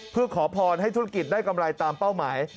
เพื่อขอพรให้ธุรกิจได้กำไรตามเป้าหมาย